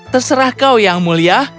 terserah kau yang mulia